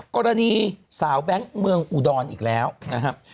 กรณีสาวแบงค์เมืองอุดรอีกแล้วนะครับ